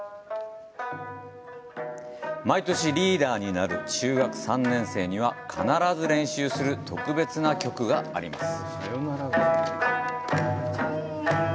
毎年、リーダーになる中学３年生には必ず練習する特別な曲があります。